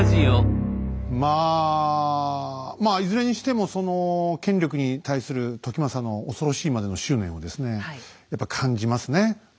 まあまあいずれにしてもその権力に対する時政の恐ろしいまでの執念をですねやっぱ感じますね。